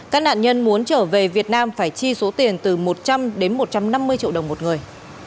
các nạn nhân muốn trở về việt nam phải chi số tiền từ một trăm linh đến một trăm năm mươi triệu đồng một người